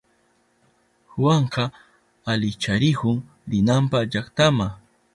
Juanka alicharihun rinanpa llaktama.